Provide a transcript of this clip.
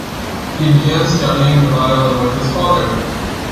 He began studying the violin with his father.